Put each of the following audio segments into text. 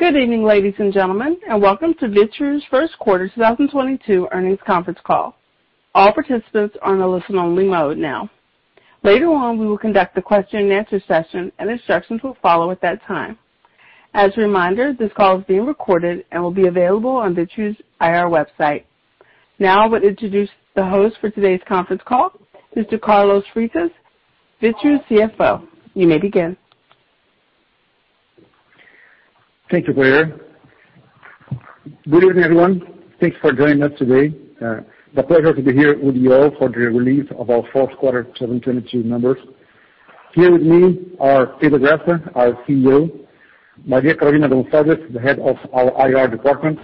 Good evening, ladies and gentlemen, and welcome to Vitru's first quarter 2022 earnings conference call. All participants are on a listen-only mode now. Later on, we will conduct a question and answer session, and instructions will follow at that time. As a reminder, this call is being recorded and will be available on Vitru's IR website. Now I will introduce the host for today's conference call, Mr. Carlos Freitas, Vitru's CFO. You may begin. Thank you, Claire. Good evening, everyone. Thanks for joining us today. It is a pleasure to be here with you all for the release of our fourth quarter 2022 numbers. Here with me are Pedro Graça, our CEO, Maria Carolina Gonçalves, the head of our IR department,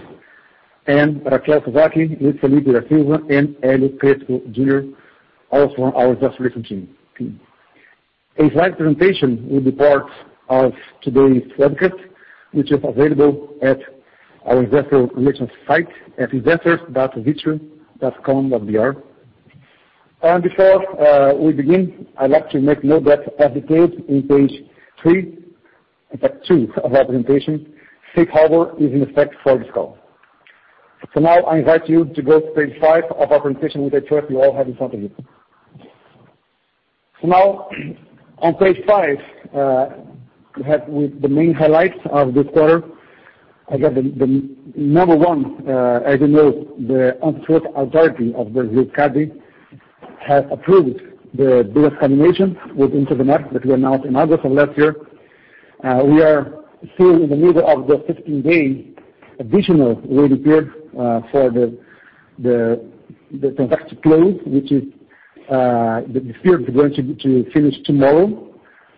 and Raquel Suzaki, Luiz Felipe da Silva and Eli Crespo Junior, also from our investor relations team. A slide presentation will be part of today's webcast, which is available at our investor relations site at investors.vitru.com.br. Before we begin, I'd like to make note that as declared in page two of our presentation, safe harbor is in effect for this call. Now I invite you to go to page 5 of our presentation, which I trust you all have in front of you. Now on page 5, we have the main highlights of this quarter. Again, the number one, as you know, the Antitrust Authority of Brazil, CADE, has approved the business combination with Uniasselvi that we announced in August of last year. We are still in the middle of the 15-day additional waiting period for the transaction to close, which is going to finish tomorrow.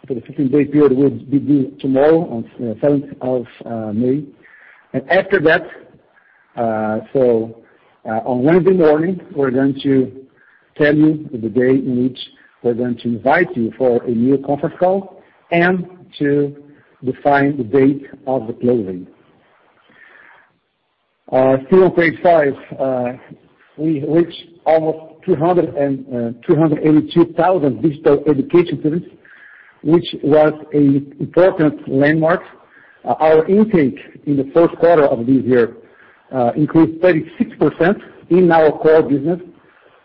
The 15-day period will be due tomorrow on seventh of May. After that, on Wednesday morning, we're going to tell you the day in which we're going to invite you for a new conference call and to define the date of the closing. Still on page five, we reached almost 282,000 digital education students, which was an important landmark. Our intake in the first quarter of this year increased 36% in our core business,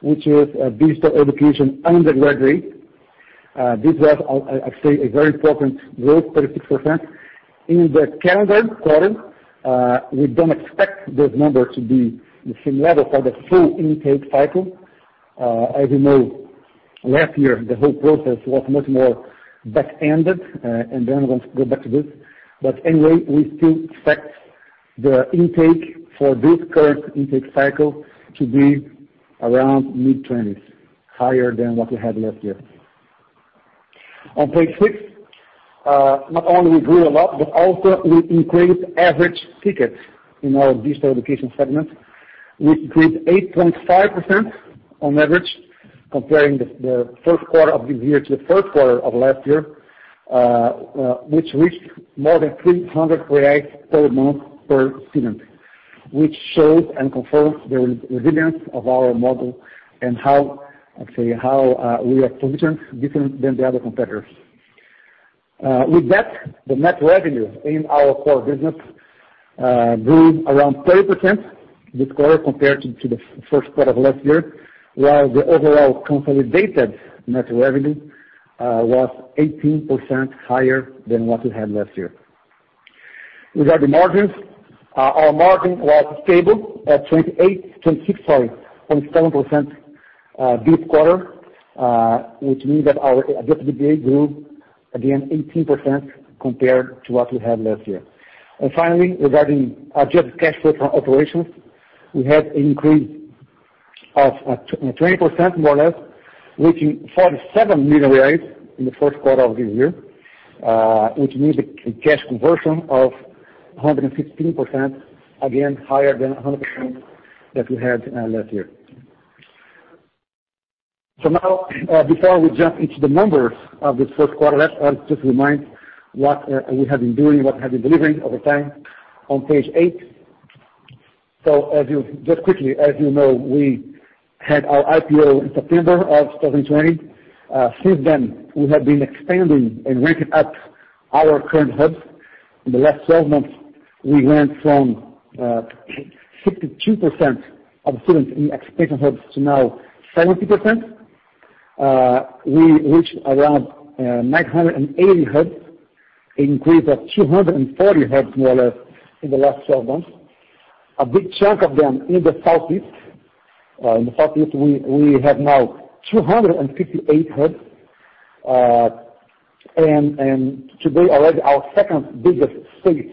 which is digital education undergraduate. This was, I'd say, a very important growth, 36%. In the calendar quarter, we don't expect this number to be the same level for the full intake cycle. As you know, last year the whole process was much more back-ended, and then we go back to this. We still expect the intake for this current intake cycle to be around mid-twenties%, higher than what we had last year. On page six, not only we grew a lot, but also we increased average tickets in our digital education segment. We increased 8.5% on average, comparing the first quarter of this year to the first quarter of last year, which reached more than 300 per month per student, which shows and confirms the resilience of our model and how actually we are positioned different than the other competitors. With that, the net revenue in our core business grew around 30% this quarter compared to the first quarter of last year, while the overall consolidated net revenue was 18% higher than what we had last year. Regarding margins, our margin was stable at 26.7%, sorry, this quarter, which means that our EBITDA grew again 18% compared to what we had last year. Finally, regarding adjusted cash flow from operations, we had an increase of 20% more or less, reaching 47 million reais in the first quarter of this year, which means a cash conversion of 115%, again higher than 100% that we had last year. Before we jump into the numbers of this first quarter, let us just remind what we have been doing, what we have been delivering over time on page eight. Just quickly, as you know, we had our IPO in September of 2020. Since then, we have been expanding and ramping up our current hubs. In the last 12 months, we went from 62% of students in expansion hubs to now 70%. We reached around 980 hubs, increase of 240 hubs more or less in the last 12 months. A big chunk of them in the Southeast. In the Southeast, we have now 258 hubs. Today already our second biggest state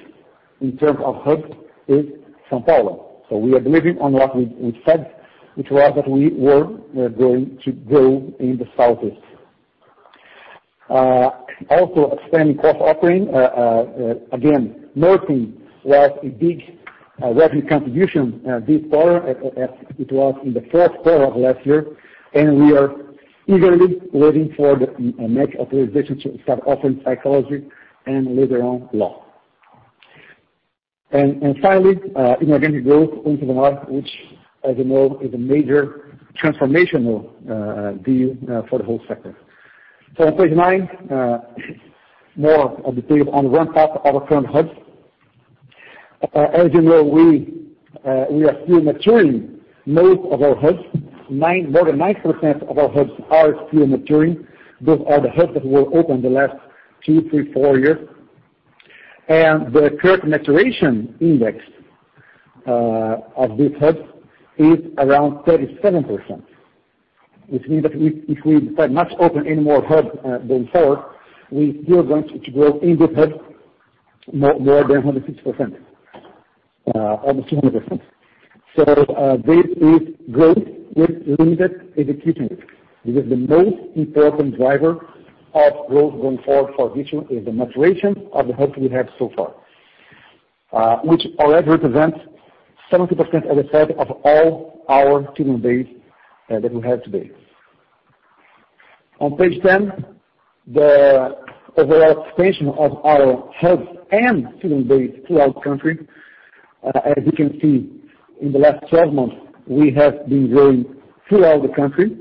in terms of hubs is São Paulo. We are delivering on what we said, which was that we were going to go in the Southeast. Also expanding course offering. Again, nursing was a big revenue contribution this quarter as it was in the first quarter of last year, and we are eagerly waiting for the next authorization to start offering psychology and later on law. Finally, inorganic growth through UniCesumar, which, as you know, is a major transformational deal for the whole sector. On page nine, more detail on one part of our current hubs. As you know, we are still maturing most of our hubs. More than 9% of our hubs are still maturing. Those are the hubs that were opened the last 2, 3, 4 years. The current maturation index of these hubs is around 37%, which means that if we do not open any more hubs, we still going to grow in these hubs more than 160%, almost 200%. This is growth with limited execution. This is the most important driver of growth going forward for Vitru is the maturation of the hubs we have so far, which already represents 70% of the sales of all our student base, that we have today. On page 10, the overall expansion of our hubs and student base throughout the country. As you can see, in the last 12 months, we have been growing throughout the country,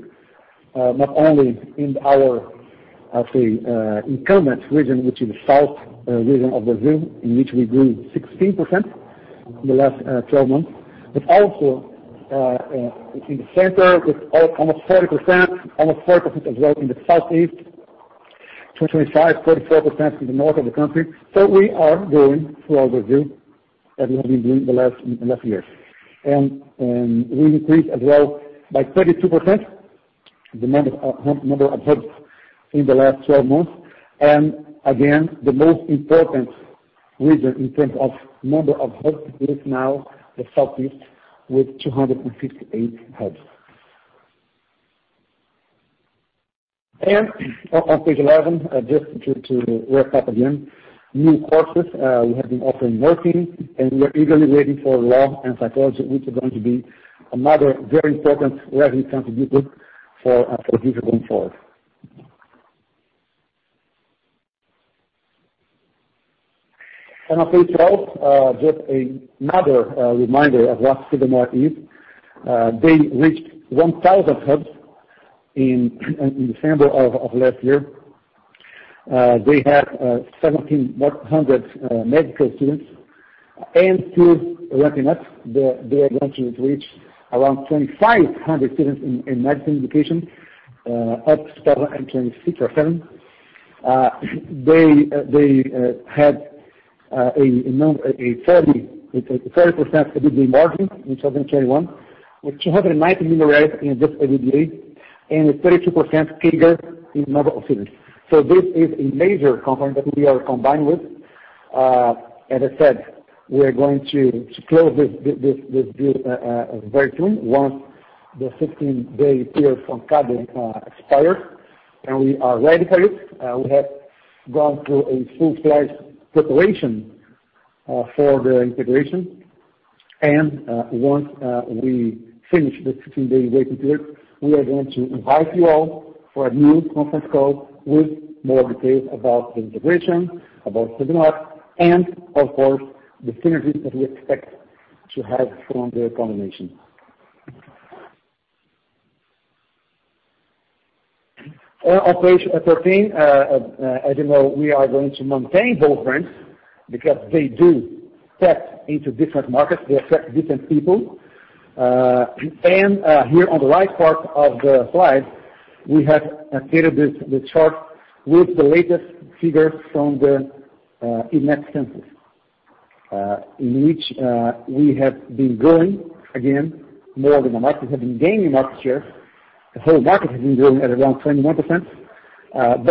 not only in our, I would say, incumbent region, which is south region of Brazil, in which we grew 16% in the last 12 months. Also, in the center with almost 40%, almost 40% as well in the southeast to 25 to 44% in the north of the country. We are growing throughout Brazil as we have been doing in the last years. We increased as well by 32% the number of hubs in the last 12 months. Again, the most important region in terms of number of hubs is now the Southeast with 258 hubs. On page 11, just to wrap up again, new courses, we have been offering nursing, and we are eagerly waiting for law and psychology, which are going to be another very important revenue contributors for future going forward. On page 12, just another reminder of what UniCesumar is. They reached 1,000 hubs in December of last year. They have 1,700 medical students, and wrapping up, they are going to reach around 2,500 students in medical education, up from 26 or 27. They had a 30% EBITDA margin in 2021, with 290 million in just EBITDA and a 32% figure in number of students. This is a major company that we are combined with. As I said, we are going to close this deal very soon once the 16-day period from CADE expires, and we are ready for it. We have gone through a full-fledged preparation for the integration. Once we finish the 16-day waiting period, we are going to invite you all for a new conference call with more details about the integration, about UniCesumar, and of course, the synergies that we expect to have from the combination. On page thirteen, as you know, we are going to maintain both brands because they do tap into different markets. They attract different people. Here on the right part of the slide, we have updated the chart with the latest figures from the ENADE census, in which we have been growing again more than the market, have been gaining market shares. The whole market has been growing at around 21%.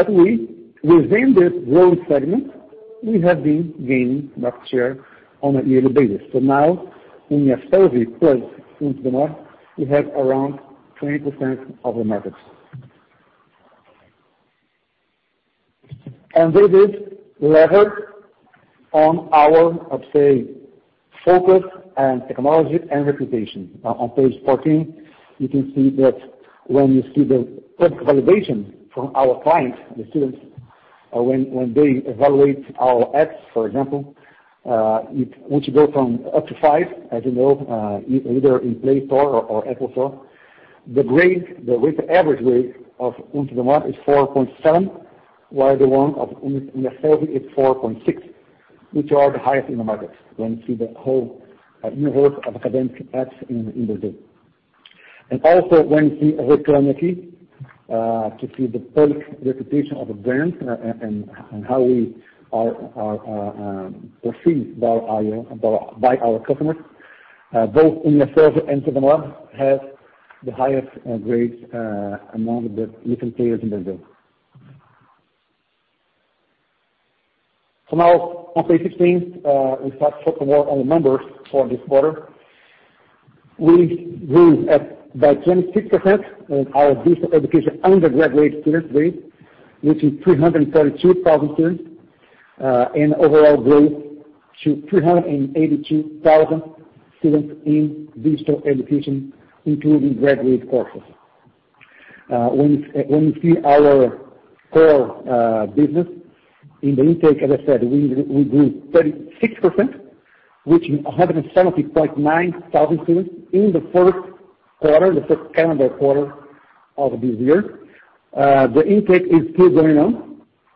We, within this growth segment, we have been gaining market share on a yearly basis. Now in Estácio plus into the north, we have around 20% of the markets. This is levered on our, I would say, focus and technology and reputation. On page fourteen, you can see that when you see the public evaluation from our clients, the students, when they evaluate our apps, for example, which go from up to 5, as you know, either in Play Store or App Store, the average rate in the market is 4.7, while the one in Estácio is 4.6, which are the highest in the markets when you see the whole universe of academic apps in Brazil. Also when we look at UniCesumar to see the public reputation of a brand and how we are perceived by our customers, both in Estácio and UniCesumar have the highest grades among the different players in Brazil. Now on page 15, we start talking about our numbers for this quarter. We grew by 26% in our digital education undergraduate student base, which is 332,000 students, and overall growth to 382,000 students in digital education, including graduate courses. When you see our core business in the intake, as I said, we grew 36%, which in 170.9 thousand students in the first quarter, the first calendar quarter of this year. The intake is still going on.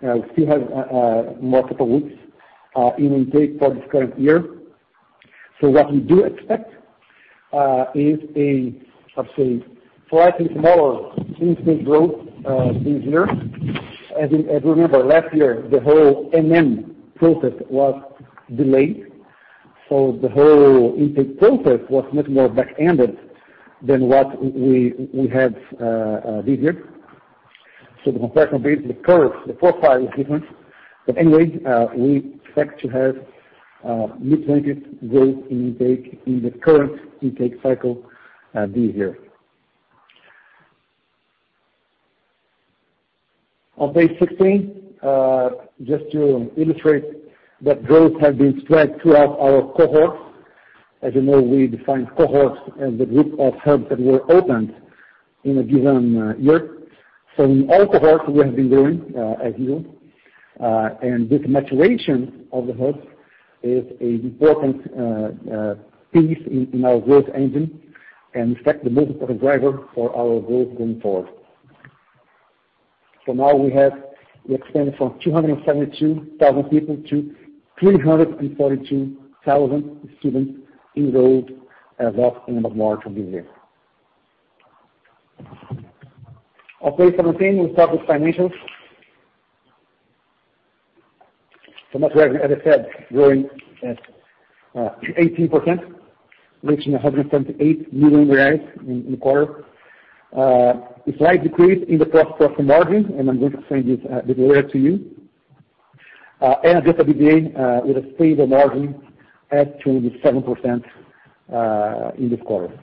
We still have multiple weeks in intake for this current year. What we do expect is, I would say, slightly smaller intake growth this year. As you remember last year, the whole MM process was delayed, so the whole intake process was much more back-ended than what we had this year. The compression base, the curve, the profile is different. Anyway, we expect to have mid-single-digit growth in intake in the current intake cycle this year. On page 16, just to illustrate that growth has been spread throughout our cohorts. As you know, we define cohorts as the group of hubs that were opened in a given year. In all cohorts, we have been growing as usual. This maturation of the hubs is an important piece in our growth engine, and in fact the multiple driver for our growth going forward. We expanded from 272,000 people to 342,000 students enrolled as of the end of March of this year. On page 17, we start with financials. Net revenue, as I said, growing at 18%, reaching 178 million in the quarter. A slight decrease in the gross-profit margin, and I'm going to explain this a bit later to you. EBITDA with a stable margin at 27% in this quarter.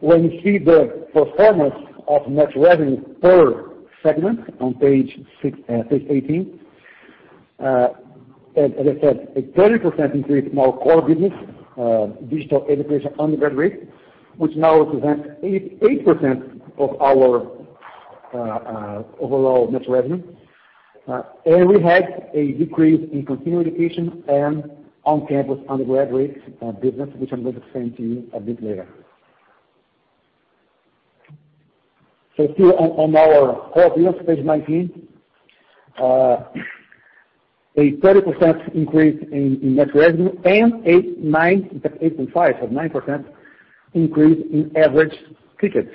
When you see the performance of net revenue per segment on page 18. As I said, a 30% increase in our core business, digital education undergraduate, which now represents 88% of our overall net revenue. We had a decrease in continuing education and on-campus undergraduate business, which I'm going to explain to you a bit later. Still on our core business, page 19. A 30% increase in net revenue and a, in fact, 8.5 or 9% increase in average tickets,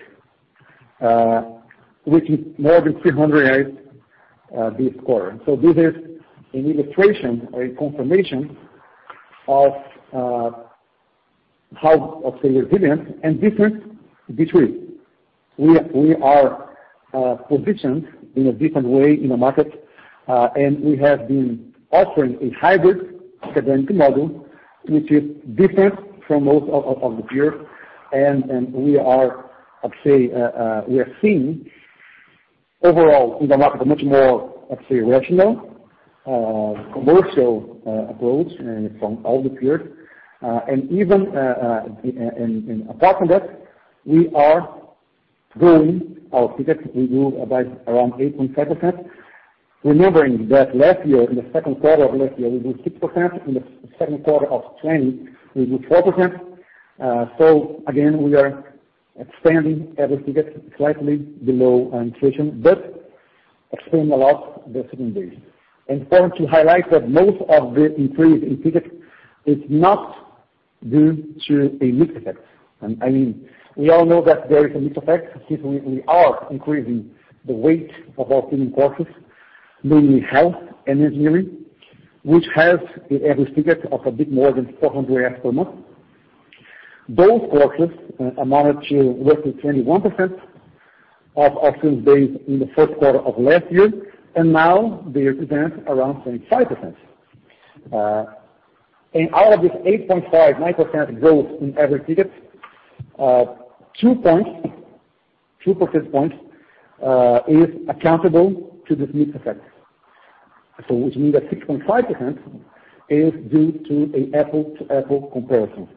which is more than 300, this quarter. This is an illustration or a confirmation of how, let's say, resilient and different we are positioned in a different way in the market, and we have been offering a hybrid academic model which is different from most of the peers. We are seeing overall in the market a much more, let's say, rational commercial approach from all the peers. Apart from that, we are growing our tickets. We grew about 8.5%. Remembering that last year, in the second quarter of last year, we grew 6%. In the second quarter of 2020, we grew 4%. We are expanding average tickets slightly below inflation, but expanding a lot the student base. Important to highlight that most of the increase in tickets is not due to a mix effect. I mean we all know that there is a mix effect since we are increasing the weight of our student courses, mainly health and engineering, which has an average ticket of a bit more than BRL 400 per month. Those courses amounted to roughly 21% of student base in the first quarter of last year, and now they represent around 25%. In all of this 8.5% to 9% growth in average tickets, two percentage points is accountable to this mix effect. Which means that 6.5% is due to a apples-to-apples comparison.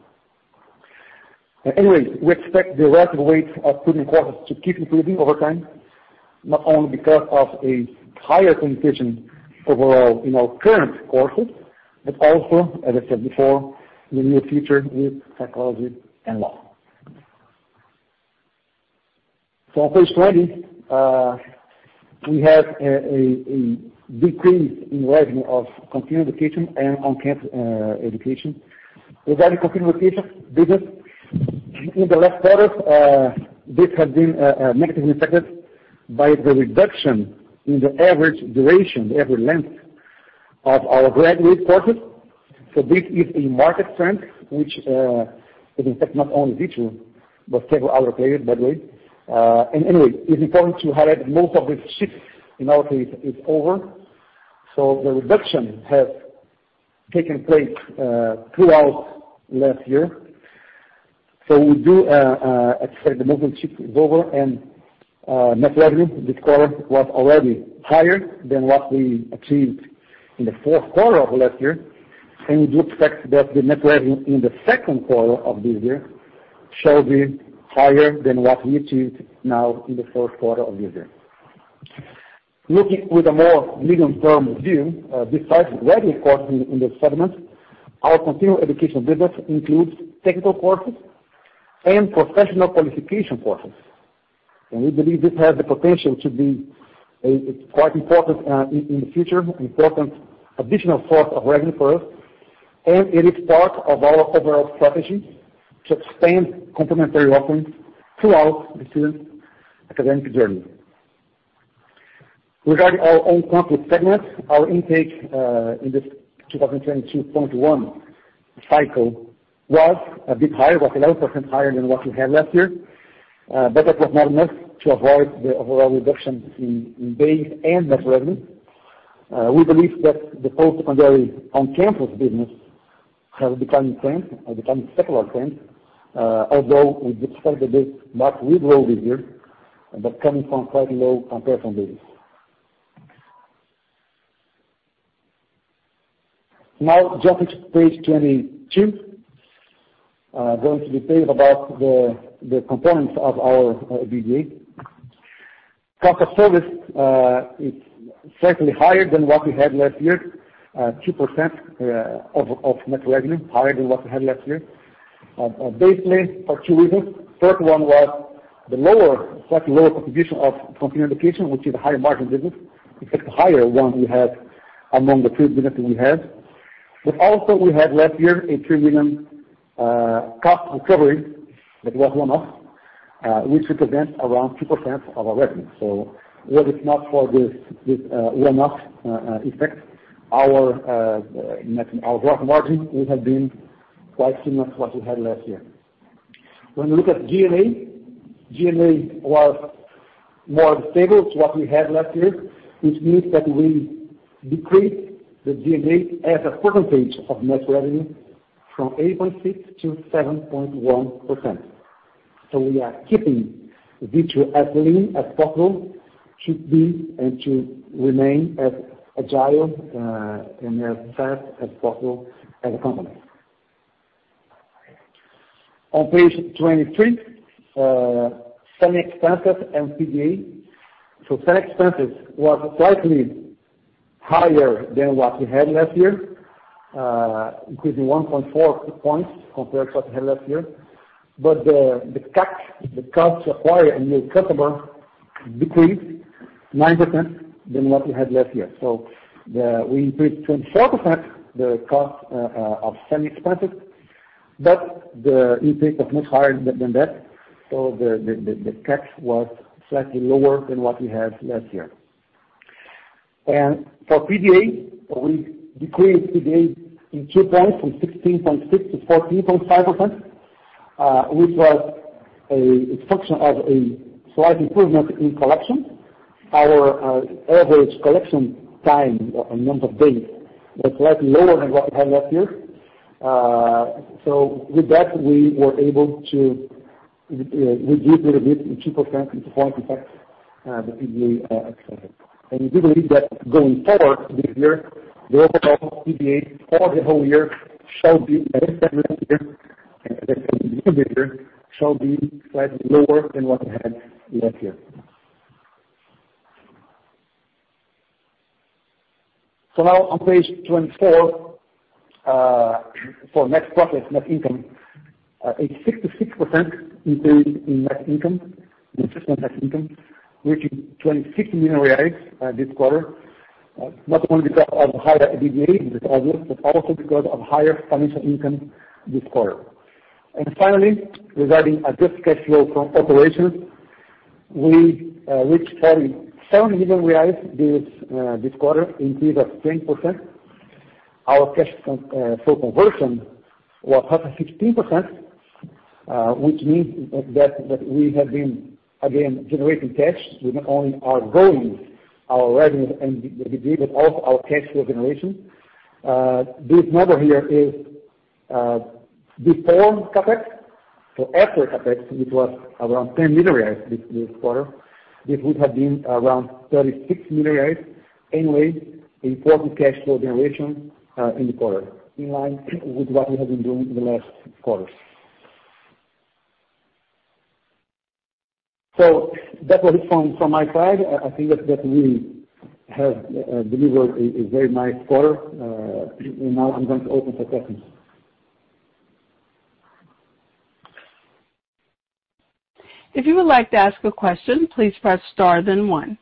Anyways, we expect the relative weight of student courses to keep improving over time, not only because of a higher penetration overall in our current courses, but also, as I said before, the near future with psychology and law. On page 20, we have a decrease in revenue of continuing education and on-campus education. Regarding continuing education business, in the last quarter, this has been negatively affected by the reduction in the average duration, the average length of our graduate courses. This is a market trend which is in fact not only Vitru, but several other players, by the way. Anyway, it's important to highlight most of this shift in our case is over. The reduction has taken place throughout last year. We do expect the momentum shift is over, and net revenue this quarter was already higher than what we achieved in the fourth quarter of last year. We do expect that the net revenue in the second quarter of this year shall be higher than what we achieved now in the first quarter of this year. Looking with a more medium-term view, besides revenue, of course, in this segment, our continuing education business includes technical courses and professional qualification courses. We believe this has the potential to be quite important in the future, an important additional source of revenue for us. It is part of our overall strategy to extend complementary offerings throughout the student academic journey. Regarding our on-campus segment, our intake in this 2022.1 cycle was 11% higher than what we had last year. That was not enough to avoid the overall reduction in base and net revenue. We believe that the post-secondary on-campus business has become a trend, becoming a secular trend, although we did start a bit low this year, coming from quite low comparison base. Now jumping to page 22. Going into detail about the components of our EBITDA. Cost of service is slightly higher than what we had last year. Two percent of net revenue, higher than what we had last year. Basically for two reasons. First one was the lower, slightly lower contribution of continuing education, which is a higher margin business. In fact, the higher one we have among the three businesses we have. Also we had last year a 3 million cost recovery that was one-off, which represents around 2% of our revenue. Were it not for this one-off effect, our gross margin would have been quite similar to what we had last year. When we look at G&A, G&A was more stable to what we had last year, which means that we decreased the G&A as a percentage of net revenue from 8.6% to 7.1%. We are keeping Vitru as lean as possible to be and to remain as agile, and as fast as possible as a company. On page 23, selling expenses and PDA. Selling expenses was slightly higher than what we had last year, increasing 1.4 points compared to what we had last year. The CAC, the cost to acquire a new customer decreased 9% than what we had last year. We increased 24% the cost, of selling expenses, but the intake was much higher than that. The CAC was slightly lower than what we had last year. For PDA, we decreased PDA in two points from 16.6% to 14.5%, which was a function of a slight improvement in collection. Our average collection time or number of days was slightly lower than what we had last year. With that, we were able to reduce a little bit 2% to 4.6% the PDA expenses. We do believe that going forward this year, the overall PDA for the whole year shall be at least every year and definitely this year shall be slightly lower than what we had last year. Now on page 24, for net profits, net income, a 66% increase in net income, consolidated net income, reaching 26 million reais this quarter. Not only because of higher EBITDA in the quarter, but also because of higher financial income this quarter. Finally, regarding adjusted cash flow from operations, we reached 37 million reais this quarter, increase of 10%. Our cash flow conversion was 116%, which means that we have been again generating cash with not only our volumes, our revenues and EBITDA, but also our cash flow generation. This number here is before CapEx. After CapEx, it was around 10 million this quarter. This would have been around 36 million anyway, important cash flow generation in the quarter, in line with what we have been doing in the last quarters. That was it from my side. I think that we have delivered a very nice quarter. Now I'm going to open for questions. If you would like to ask a question, please press star then one.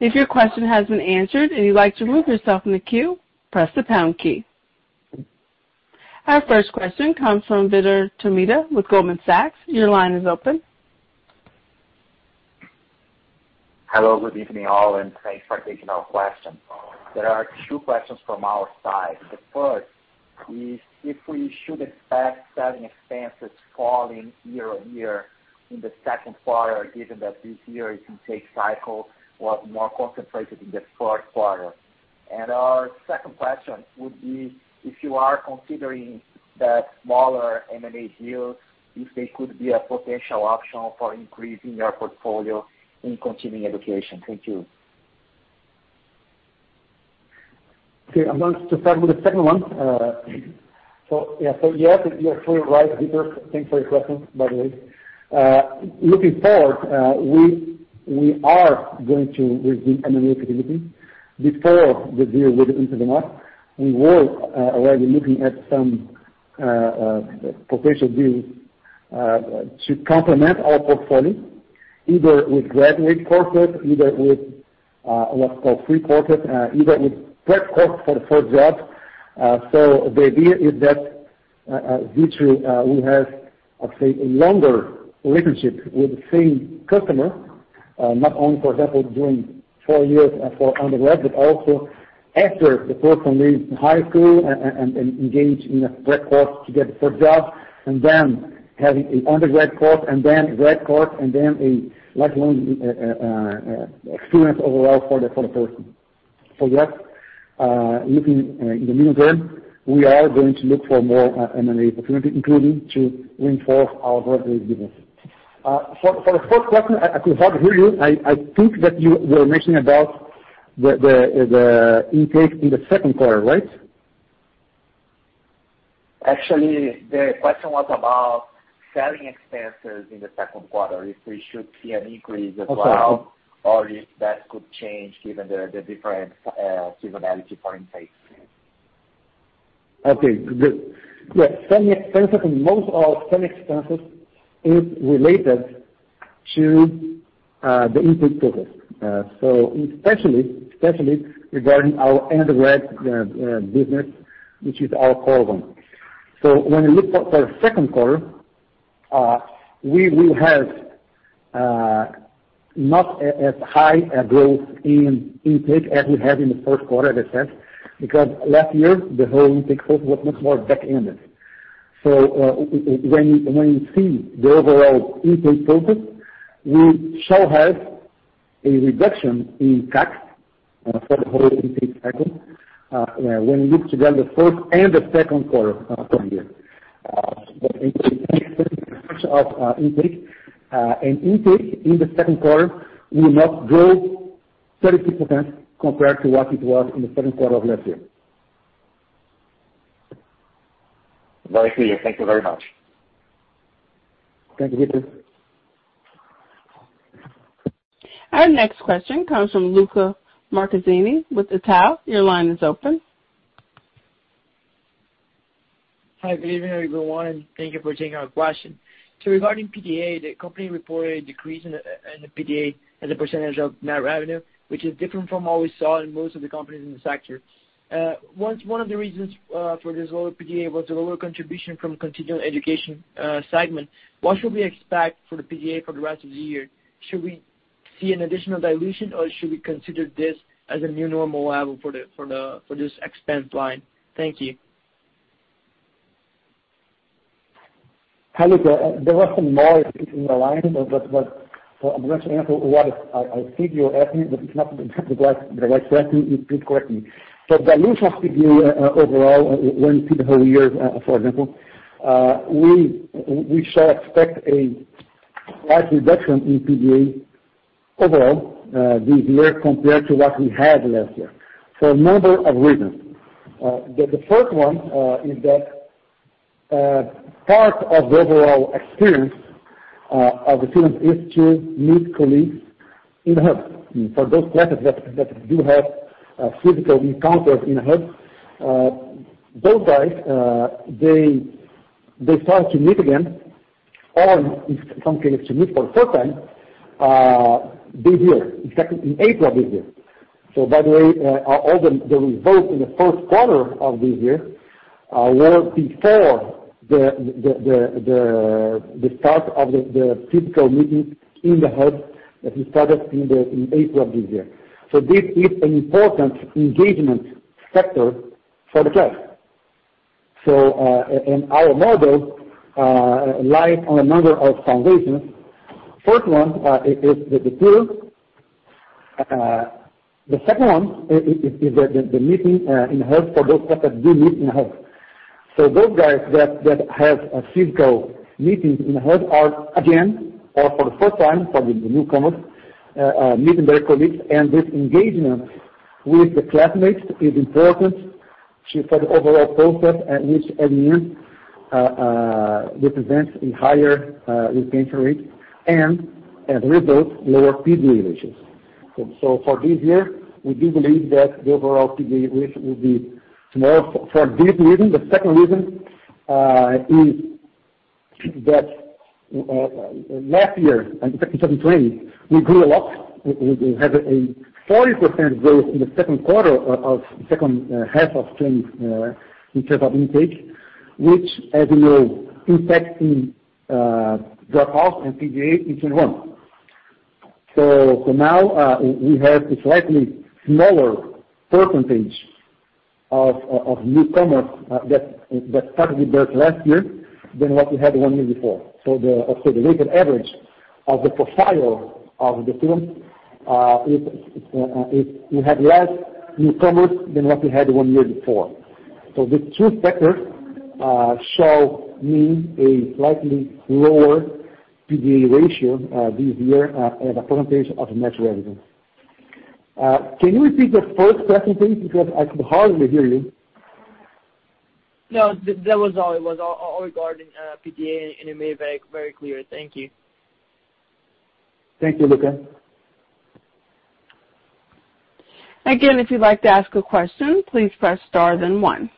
If your question has been answered and you'd like to remove yourself from the queue, press the pound key. Our first question comes from Vitor Tomita with Goldman Sachs. Your line is open. Hello, good evening, all, and thanks for taking our question. There are two questions from our side. The first is if we should expect selling expenses falling year on year in the second quarter, given that this year's intake cycle was more concentrated in the fourth quarter. Our second question would be if you are considering that smaller M&A deals, if they could be a potential option for increasing your portfolio in continuing education. Thank you. Okay, I'm going to start with the second one. Yes, you're fully right, Peter. Thanks for your question, by the way. Looking forward, we are going to resume M&A activity. Before the deal with, we were already looking at some potential deals to complement our portfolio, either with graduate courses, either with what's called free courses, either with preparatory courses for jobs. The idea is that virtually we have, let's say, a longer relationship with the same customer, not only for example doing four years for undergrad, but also after the person leaves high school and engages in preparatory courses to get the first job and then having an undergrad course and then grad course and then a lifelong experience overall for the person. Yes, looking in the near term, we are going to look for more M&A opportunity, including to reinforce our graduate business. For the first question, I could not hear you. I think that you were mentioning about the intake in the second quarter, right? Actually, the question was about selling expenses in the second quarter, if we should see an increase as well? Okay. If that could change given the different seasonality for intake. Okay, good. Most of selling expenses is related to the intake process. Especially regarding our undergrad business, which is our core one. When you look forward to the second quarter, we will have not a high growth in intake as we had in the first quarter, as I said, because last year the whole intake process was much more back-ended. When you see the overall intake process, we shall have a reduction in CAC for the whole intake cycle, when you look at the fourth and the second quarter together from here. In terms of intake in the second quarter, it will not grow 36% compared to what it was in the second quarter of last year. Very clear. Thank you very much. Thank you, Victor. Our next question comes from Luca Marchetti with Itaú. Your line is open. Hi, good evening, everyone, and thank you for taking our question. Regarding PDA, the company reported a decrease in the PDA as a percentage of net revenue, which is different from what we saw in most of the companies in the sector. One of the reasons for this lower PDA was the lower contribution from continuing education segment. What should we expect for the PDA for the rest of the year? Should we see an additional dilution, or should we consider this as a new normal level for this expense line? Thank you. Hi, Luca. There was some noise in the line, but I'm going to answer what I think you're asking, but it's not the right question. You please correct me. Dilution of PDA overall, when you see the whole year, for example, we shall expect a large reduction in PDA overall, this year compared to what we had last year for a number of reasons. The first one is that part of the overall experience of the students is to meet colleagues in the hub. For those classes that do have physical encounters in the hub, those guys, they start to meet again or in some cases to meet for the first time, this year, exactly in April of this year. By the way, all the results in the first quarter of this year were before the start of the physical meetings in the hub that we started in April of this year. This is an important engagement factor for the class. Our model relies on a number of foundations. First one is the peers. The second one is the meeting in the hub for those that do meet in the hub. Those guys that have physical meetings in the hub are again or for the first time for the newcomers meeting their colleagues and this engagement with the classmates is important for the overall process, which at the end represents a higher retention rate and as a result, lower PDA ratios. For this year, we do believe that the overall PDA ratio will be more for this reason. The second reason is that last year, in fact in 2020, we grew a lot. We had a 40% growth in the second half of 2020 in terms of intake, which as you know impacts drop off and PDA in 2021. Now we have a slightly smaller percentage of newcomers that started with us last year than what we had one year before. Of course, the weighted average of the profile of the students is we have less newcomers than what we had one year before. The two factors show me a slightly lower PDA ratio this year as a percentage of net revenue. Can you repeat the first question, please, because I could hardly hear you. No, that was all. It was all regarding PDA, and it made very, very clear. Thank you. Thank you, Luca. Again, if you'd like to ask a question, please press star then one.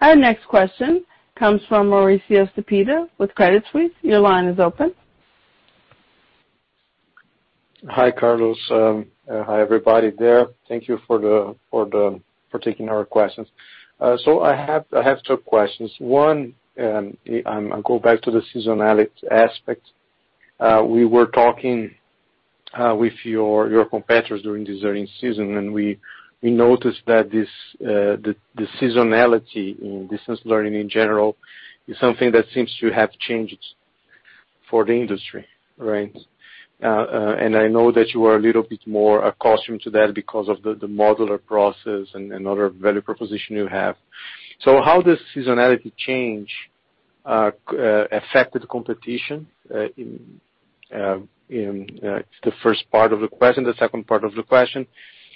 Our next question comes from Mauricio Cepeda with Credit Suisse. Your line is open. Hi, Carlos. Hi, everybody there. Thank you for taking our questions. I have two questions. One, I'm going back to the seasonality aspect. We were talking with your competitors during this earnings season, and we noticed that the seasonality in distance learning in general is something that seems to have changed for the industry, right? I know that you are a little bit more accustomed to that because of the modular process and other value proposition you have. How does seasonality change affected competition in. It's the first part of the question. The second part of the question,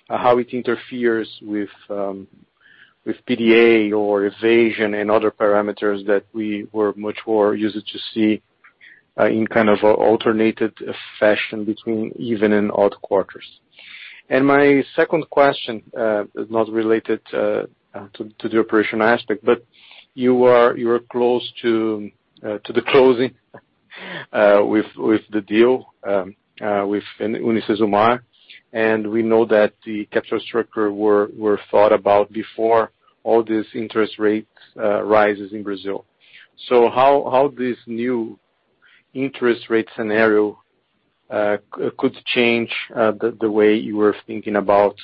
how it interferes with PDA or evasion and other parameters that we were much more used to see in kind of a alternated fashion between even and odd quarters. My second question is not related to the operational aspect, but you are close to the closing with the deal with UniCesumar, and we know that the capital structure were thought about before all these interest rates rises in Brazil. How this new interest rate scenario could change the way you were thinking about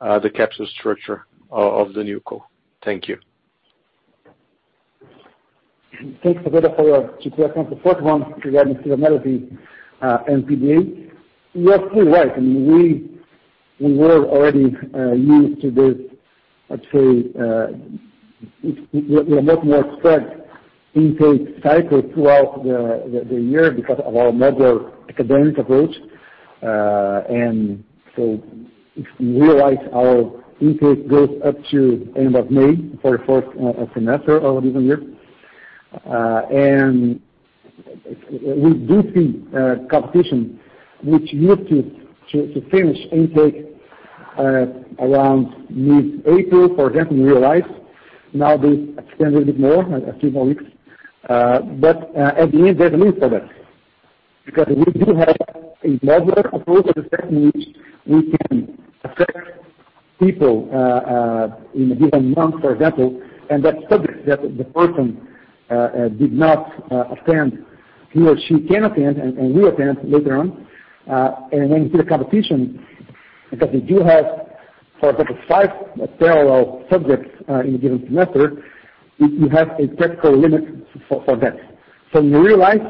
the capital structure of the newco? Thank you. Thanks a lot for your two questions. The first one regarding seasonality and PDA. You are so right. I mean, we were already used to this, let's say, with a much more spread intake cycle throughout the year because of our modular academic approach. If we realize our intake goes up to end of May for the first semester of a given year. With this competition which used to finish intake around mid-April, for example, in real life. Now they extend a little bit more, a few more weeks. At the end there's a limit for that because we do have a modular approach to the extent in which we can affect people in a given month, for example, and that subject that the person did not attend, he or she can attend and will attend later on. When you see the competition, because we do have, for example, 5 parallel subjects in a given semester, we have a practical limit for that. In real life,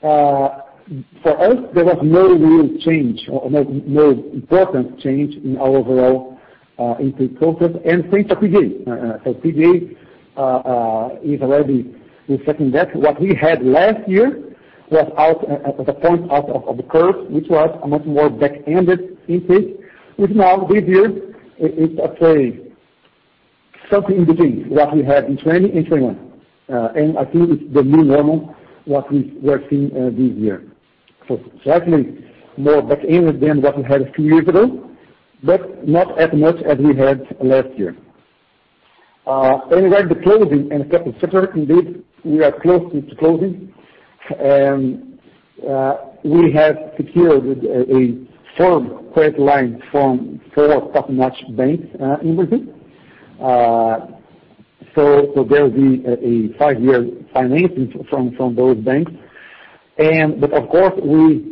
for us, there was no real change or no important change in our overall intake process and same for PDA. PDA is already reflecting that. What we had last year was out of the ordinary, which was a much more back-ended intake, which now this year it's, let's say something in between what we had in 2020 and 2021. I think it's the new normal what we're seeing this year. Slightly more back-ended than what we had a few years ago, but not as much as we had last year. Regarding the closing and capital structure, indeed, we are close to closing. We have secured a firm credit line from four top-notch banks in Brazil. There will be a five-year financing from those banks. Of course, we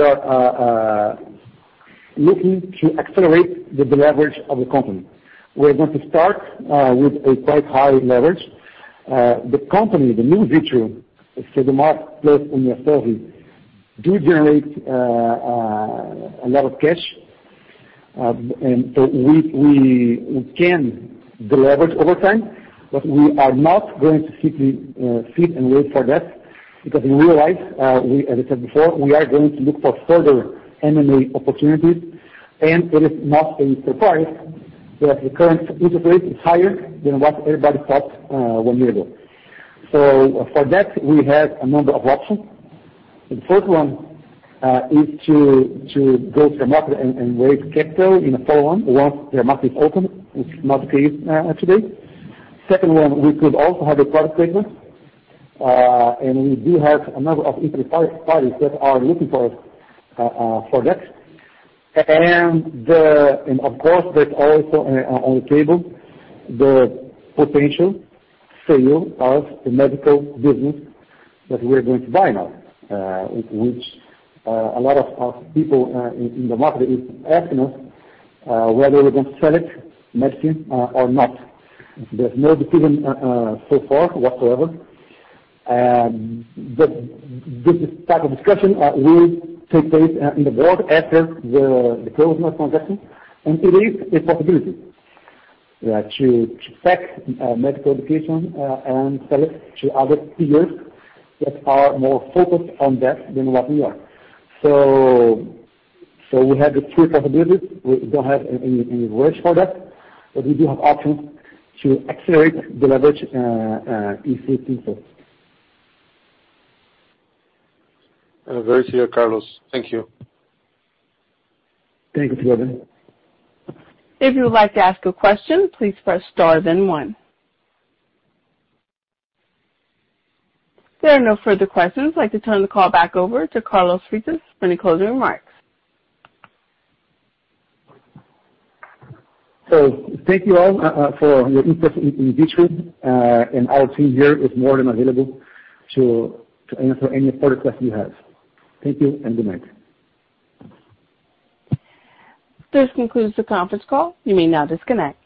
are looking to accelerate the leverage of the company. We're going to start with a quite high leverage. The company, the new Vitru, so the merger plus UniCesumar, do generate a lot of cash. We can deleverage over time, but we are not going to simply sit and wait for that because we realize, as I said before, we are going to look for further M&A opportunities, and it is not a surprise that the current interest rate is higher than what everybody thought one year ago. We have a number of options. The first one is to go to market and raise capital in the follow-on once the market is open. It's not the case today. Second one, we could also have a private placement. We do have a number of interested parties that are looking for that. Of course, there's also on the table the potential sale of the medical business that we're going to buy now, which a lot of our people in the market is asking us whether we're going to sell it, medicine, or not. There's no decision so far whatsoever. This type of discussion will take place in the board after the close of transaction. It is a possibility to pack medical education and sell it to other peers that are more focused on that than what we are. We have the three possibilities. We don't have any words for that, but we do have options to accelerate the leverage if need be. I hear you, Carlos. Thank you. Thank you. If you would like to ask a question, please press star then one. There are no further questions. I'd like to turn the call back over to Carlos Freitas for any closing remarks. Thank you all for your interest in Vitru. Our team here is more than available to answer any further questions you have. Thank you and good night. This concludes the conference call. You may now disconnect.